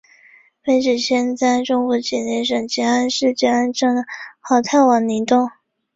碑址现在中国吉林省集安市集安镇好太王陵东。